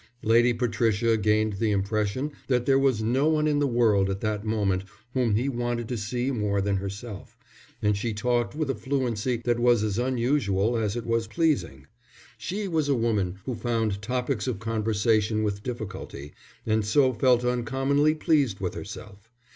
Lady Patricia gained the impression that there was no one in the world at that moment whom he wanted to see more than herself, and she talked with a fluency that was as unusual as it was pleasing. She was a woman who found topics of conversation with difficulty, and so felt uncommonly pleased with herself.